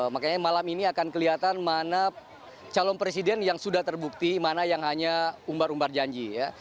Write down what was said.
makanya malam ini akan kelihatan mana calon presiden yang sudah terbukti mana yang hanya umbar umbar janji ya